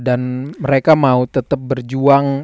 dan mereka mau tetap berjuang